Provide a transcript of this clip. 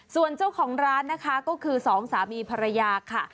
ส่วนเจ้าของร้านนะคะก็คือสองสามีภรรยาค่ะ